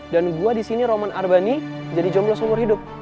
dan gue disini roman arbani jadi jomblo seumur hidup